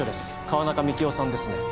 川中幹夫さんですね